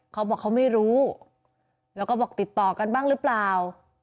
เขาบอกเขาไม่รู้แล้วก็บอกติดต่อกันบ้างหรือเปล่า